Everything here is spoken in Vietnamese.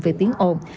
về tiếng ồn